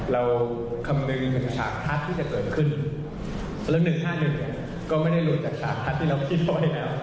คำนึงถึง๓ทัศน์ที่จะเกิดขึ้นแล้ว๑๕๑เนี่ยก็ไม่ได้รวยจากฉากทัศน์ที่เราคิดไว้แล้ว